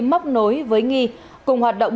móc nối với nghi cùng hoạt động